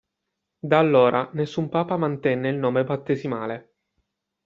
Da allora nessun papa mantenne il nome battesimale.